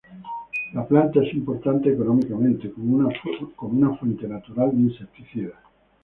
La planta es importante económicamente como una fuente natural de insecticidas.